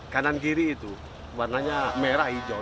kanan kiri itu warnanya merah hijau